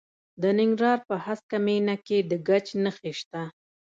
د ننګرهار په هسکه مینه کې د ګچ نښې شته.